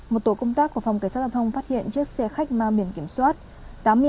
một tổ công tác của phòng cảnh sát giao thông phát hiện chiếc xe khách ma biển kiểm soát